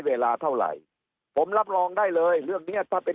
เวลาเท่าไหร่ผมรับรองได้เลยเรื่องเนี้ยถ้าเป็น